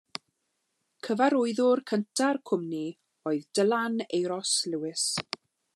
Cyfarwyddwr cynta'r cwmni oedd Dylan Euros Lewis.